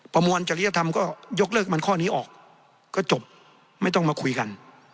ประมวลจริยธรรมก็ยกเลิกมันข้อนี้ออกก็จบไม่ต้องมาคุยกัน